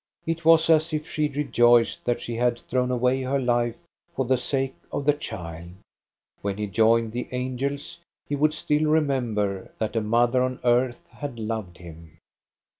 It was as if she rejoiced that she had thrown away her life for the sake of the child. When he joined the angels, he would still remember that a mother on earth had loved him.